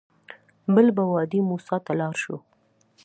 بل به وادي موسی ته لاړ شو.